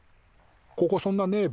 ここそんなねえべ？